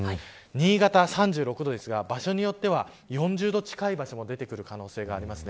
新潟は３６度ですが場所によって４０度近い場所も出てくる可能性があります。